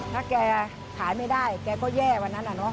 ถ้าแกขายไม่ได้แกก็แย่วันนั้นอะเนาะ